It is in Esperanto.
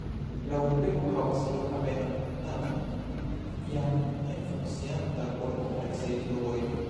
La urbego havas flughavenon, tamen jam ne funkcianta por komercaj flugoj.